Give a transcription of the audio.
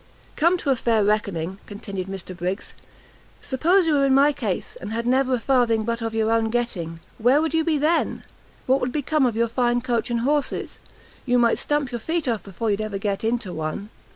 "Come to a fair reckoning," continued Mr Briggs; "suppose you were in my case, and had never a farthing but of your own getting; where would you be then? What would become of your fine coach and horses? you might stump your feet off before you'd ever get into one.